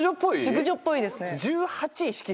熟女っぽいですね